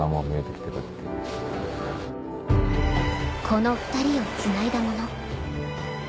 この２人をつないだもの